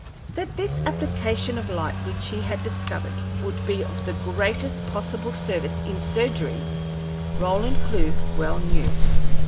That this application of light which he had discovered would be of the greatest possible service in surgery, Roland Clewe well knew.